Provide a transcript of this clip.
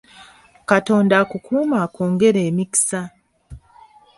Katonda akukuume akwongere emikisa